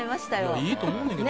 いいと思うねんけどな。